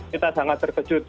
kita sangat terkejut